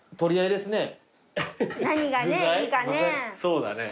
何がねいいかね。